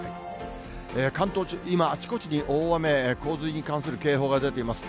関東地方、今、あちこち、大雨洪水に関する警報が出ています。